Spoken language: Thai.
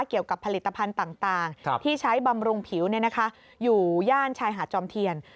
เกี่ยวกับผลิตภัณฑ์ต่างที่ใช้บำรุงผิวอยู่ย่านชายหาดจอมเทียน